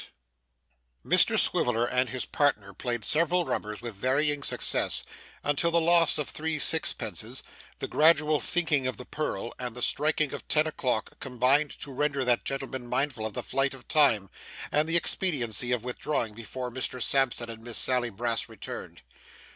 CHAPTER 58 Mr Swiveller and his partner played several rubbers with varying success, until the loss of three sixpences, the gradual sinking of the purl, and the striking of ten o'clock, combined to render that gentleman mindful of the flight of Time, and the expediency of withdrawing before Mr Sampson and Miss Sally Brass returned.